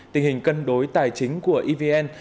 tình hình cân đối tài chính của evn